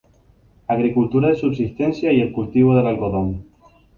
Agricultura de subsistencia y el cultivo del algodón.